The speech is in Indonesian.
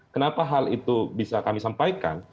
kenapa hal itu bisa kami sampaikan